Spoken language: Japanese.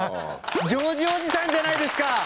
ジョージおじさんじゃないですか！